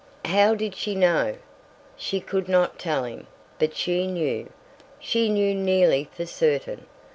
How did she know? She could not tell him, but she knew. She knew nearly for certain!